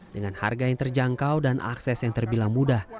dengan harga yang terjangkau dan akses yang terbilang mudah